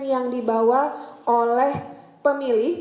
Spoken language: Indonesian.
yang dibawa oleh pemilih